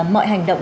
mọi hành động